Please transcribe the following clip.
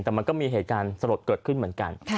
แต่มันก็มีเหตุการณ์สลดเกิดขึ้นเหมือนกัน